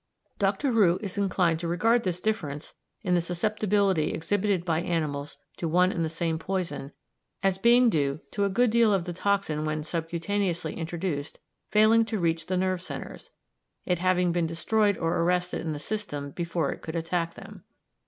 Dr. Roux is inclined to regard this difference in the susceptibility exhibited by animals to one and the same poison as being due to a good deal of the toxin, when subcutaneously introduced, failing to reach the nerve centres, it having been destroyed or arrested in the system before it could attack them.